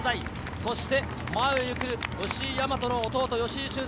そして前を行く吉居大和の弟・吉居駿恭。